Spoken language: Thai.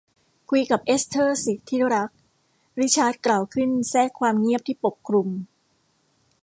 คุยกับเอสเธอร์สิที่รัก ริชาร์ดกล่าวขึ้นแทรกความเงียบที่ปกคลุม